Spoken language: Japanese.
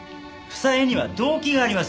房江には動機があります